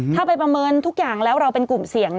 ถ้าไปประเมินทุกอย่างแล้วเราเป็นกลุ่มเสี่ยง